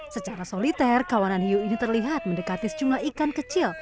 secara soliter kawanan hiu ini terlihat mendekati sejumlah ikan kecil